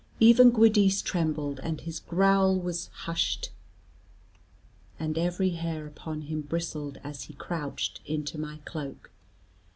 Even Giudice trembled, and his growl was hushed, and every hair upon him bristled as he crouched into my cloak.